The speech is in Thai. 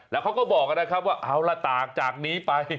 แล้วเขาก็บอกนะครับว่าเอาล่ะต่างจากนี้ไป